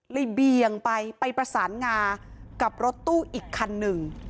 เบียงไปไปประสานงากับรถตู้อีกคันหนึ่ง